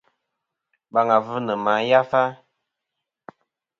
Baŋ avɨ nɨ ma yafa.